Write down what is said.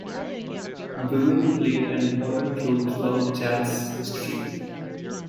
Women played an important role throughout jazz's history.